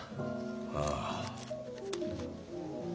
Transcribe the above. ああ。